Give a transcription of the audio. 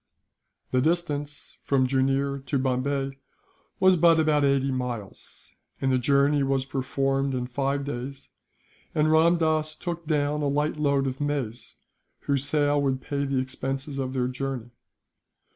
The distance from Jooneer to Bombay was but about eighty miles, and the journey was performed in five days, and Ramdass took down a light load of maize, whose sale would pay the expenses of their journey.